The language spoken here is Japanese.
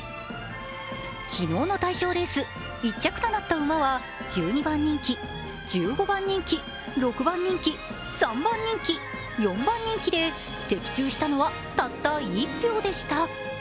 昨日の対象レース、１着となった馬は１２番人気、１５番人気、６番人気、３番人気、４番人気で、的中したのはたった１票でした。